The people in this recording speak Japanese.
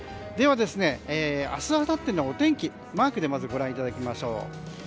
では、明日、あさってのお天気マークでまずご覧いただきましょう。